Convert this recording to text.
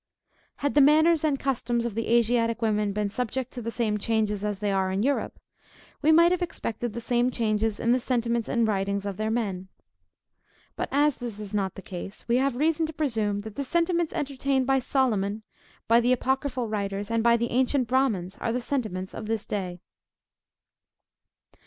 Had the manners and customs of the Asiatic women been subject to the same changes as they are in Europe, we might have expected the same changes in the sentiments and writings of their men. But, as this is not the case, we have reason to presume that the sentiments entertained by Solomon, by the apocryphal writers, and by the ancient Bramins, are the sentiments of this day.